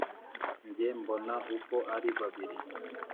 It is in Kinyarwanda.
jye mbona uko ari babiri